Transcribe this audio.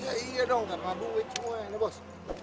iya iya dong karena buit semua ya bos